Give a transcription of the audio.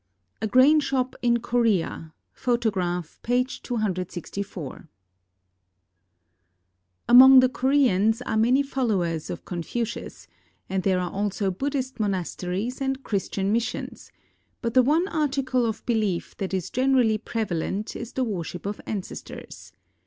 A GRAIN SHOP IN KOREA A GRAIN SHOP IN KOREA Among the Koreans are many followers of Confucius, and there are also Buddhist monasteries and Christian missions; but the one article of belief that is generally prev alent is the worship of ancestors.